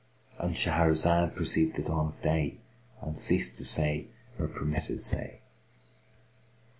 —And Shahrazad perceived the dawn of day and ceased to say her permitted say.